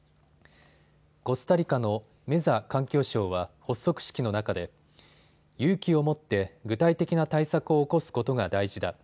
コスタリカのメザ環境相は発足式の中で勇気を持って具体的な対策を起こすことが大事だ。